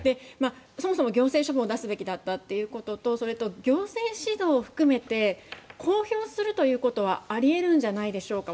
そもそも行政処分を出すべきだったということと行政指導を含めて公表するということはあり得るんじゃないでしょうか。